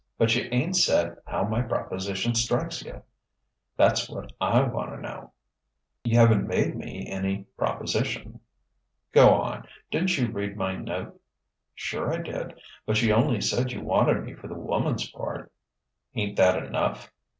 "But you ain't said how my proposition strikes you. That's what I want to know." "You haven't made me any proposition." "Go on! Didn't you read my note?" "Sure I did; but you only said you wanted me for the woman's part." "Ain't that enough?"